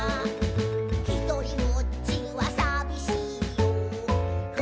「ひとりぼっちはさびしいよ」